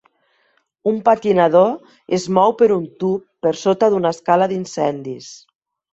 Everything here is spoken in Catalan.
Un patinador es mou per un tub per sota d'una escala d'incendis.